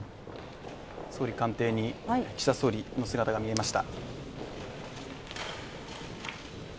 総理官邸に岸田総理の姿が見えました。